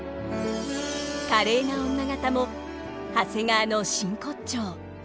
華麗な女方も長谷川の真骨頂。